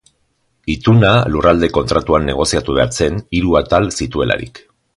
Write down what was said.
Ituna Lurralde Kontratuan negoziatu behar zen, hiru atal zituelarik.